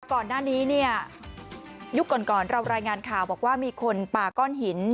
ก่อนหน้านี้เนี่ยยุคก่อนเรารายงานข่าวบอกว่ามีคนป่าก้อนหิน